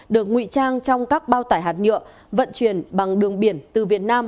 được nguy trang trong các bao tải hạt nhựa vận chuyển bằng đường biển từ việt nam